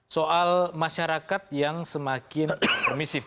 soal masyarakat yang semakin permisif